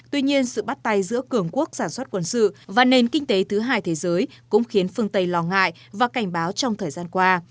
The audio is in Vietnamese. tuy nhiên sự bắt tay giữa cường quốc sản xuất quân sự và nền kinh tế thứ hai thế giới cũng khiến phương tây lo ngại và cảnh báo trong thời gian qua